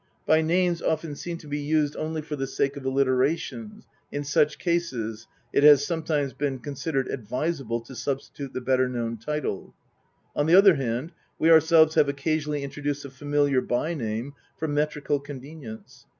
By names often seem to be used only for the sake of alliteration ; in such cases (Grm., st. 8) it has sometimes been con sidered advisable to substitute the better known title. On the other hand, we ourselves have occasionally introduced a familiar by narne for metrical convenience.